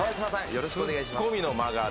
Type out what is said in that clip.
よろしくお願いします